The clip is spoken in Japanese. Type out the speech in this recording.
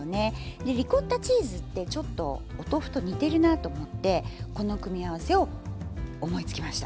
でリコッタチーズってちょっとお豆腐と似てるなと思ってこの組み合わせを思いつきました。